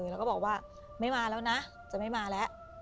แล้วก็บอกว่าไม่มาแล้วนะจะไม่มาแล้ว